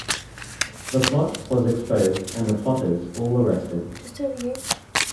The plot was exposed and the plotters all arrested.